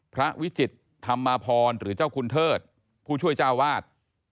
วิจิตธรรมพรหรือเจ้าคุณเทิดผู้ช่วยเจ้าวาด